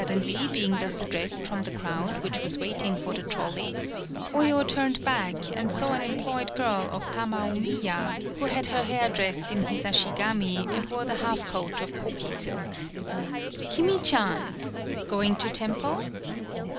Suddenly, being thus addressed from the crowd which was waiting for the 75 PAULOWNIA trolley, Oyo turned back and saw an employed girl of Tamaomiya, who had her hair dressed in Hisashigami and wore the half coat of Koki silk. "Kimi chan. Going to temple?"